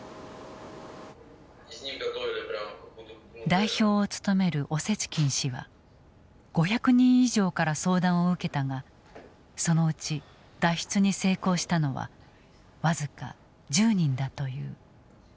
代表を務めるオセチキン氏は５００人以上から相談を受けたがそのうち脱出に成功したのは僅か１０人だという。